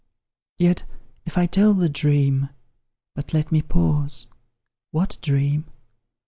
Yet if I tell the dream but let me pause. What dream?